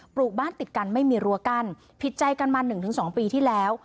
ลูกบ้านติดกันไม่มีรั้วกั้นผิดใจกันมา๑๒ปีที่แล้ว